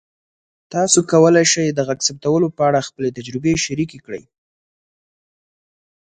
تاسو کولی شئ د غږ ثبتولو په اړه خپلې تجربې شریکې کړئ.